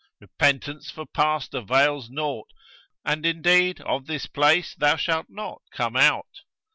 Repentance for past avails naught, and indeed of this place thou shalt not come out.'